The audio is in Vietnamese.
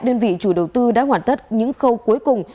đơn vị chủ đầu tư đã hoàn tất những khâu cuối cùng